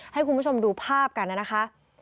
ให้คุณผู้ชมดูภาพกันนะคะ